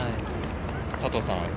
佐藤さん。